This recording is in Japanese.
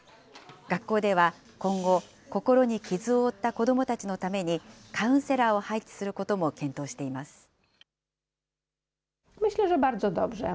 学校では、今後、心に傷を負った子どもたちのためにカウンセラーを配置することも検討しています。